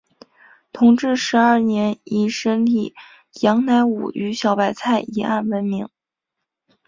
同治十二年以审理杨乃武与小白菜一案闻名。